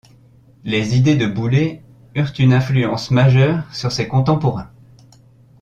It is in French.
Les idées de Boullée eurent une influence majeure sur ses contemporains.